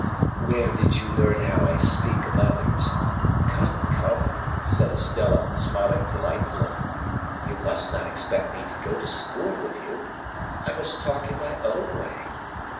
"Where did you learn how I speak of others? Come, come," said Estella, smiling delightfully, "you must not expect me to go to school to you; I must talk in my own way.